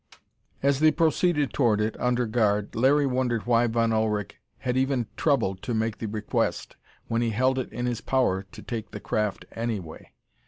_ As they proceeded toward it, under guard, Larry wondered why Von Ullrich had even troubled to make the request, when he held it in his power to take the craft anyway.